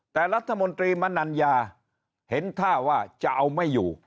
แต่รัฐมนตรีมนัญญาเห็นท่าว่าจะเอาไม่อยู่